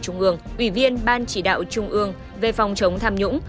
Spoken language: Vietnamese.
ủy viên ban chỉ đạo trung ương về phòng chống tham nhũng